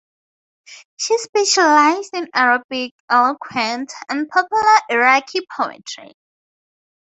She specialized in Arabic eloquent and popular Iraqi poetry.